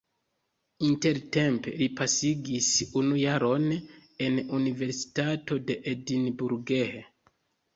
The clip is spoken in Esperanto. Intertempe li pasigis unu jaron en Universitato de Edinburgh.